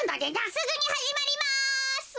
すぐにはじまります。